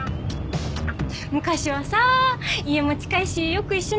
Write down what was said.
昔はさぁ家も近いしよく一緒に遊んだよね！